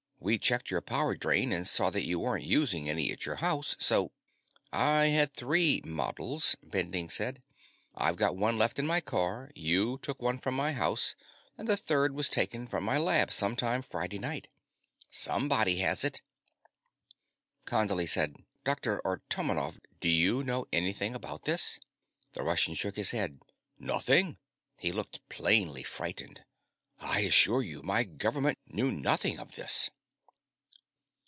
We checked your power drain and saw you weren't using any at your house, so " "I had three models," Bending said. "I've got one left in my car; you took one from my house, and the third was taken from my lab sometime Friday night. Somebody has it ..." Condley said: "Dr. Artomonov, do you know anything about this?" The Russian shook his head. "Nothing." He looked plainly frightened. "I assure you, my government knew nothing of this."